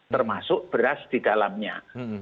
termasuk beras di dalamnya